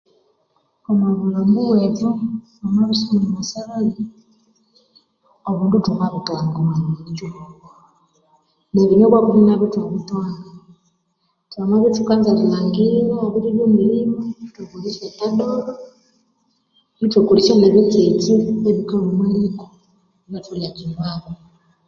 Thukakolesagha etadoba,